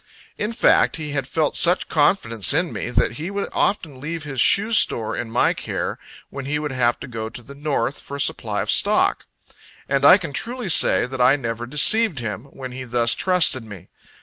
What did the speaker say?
In fact, he had felt such confidence in me, that he would often leave his shoe store in my care, when he would have to go to the north, for a supply of stock. And I can truly say, that I never deceived him, when he thus trusted me.